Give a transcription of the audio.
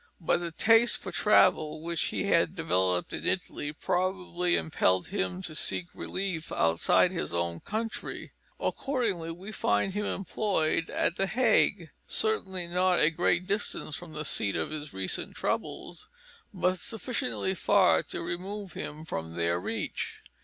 But the taste for travel which he had developed in Italy probably impelled him to seek relief outside his own country. Accordingly we find him employed at the Hague certainly not a great distance from the seat of his recent troubles, but sufficiently far to remove him from their reach.